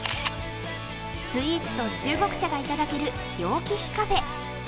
スイーツと中国茶がいただける楊貴妃カフェ。